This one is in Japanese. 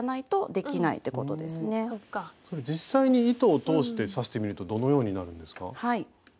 実際に糸を通して刺してみるとどのようになるんですか？